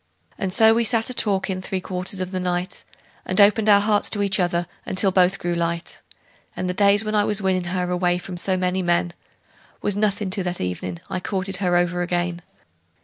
And so we sat a talkin' three quarters of the night, And opened our hearts to each other until they both grew light; And the days when I was winnin' her away from so many men Was nothin' to that evenin' I courted her over again.